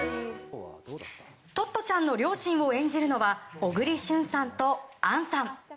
トットちゃんの両親を演じるのは小栗旬さんと杏さん。